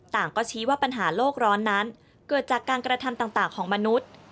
ก็ชี้ว่าปัญหาโลกร้อนนั้นเกิดจากการกระทำต่างของมนุษย์